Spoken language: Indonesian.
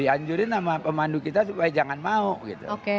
dianjurin sama pemandu kita supaya jangan mau gitu